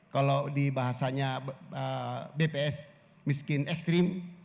kalau di bahasanya bps miskin ekstrim